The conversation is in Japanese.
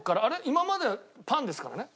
今まではパンですからね。